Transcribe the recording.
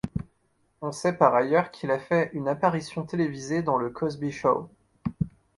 On sait par ailleurs qu'il a fait une apparition télévisée dans le Cosby Show.